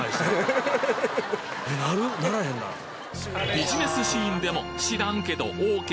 ビジネスシーンでも知らんけどＯＫ！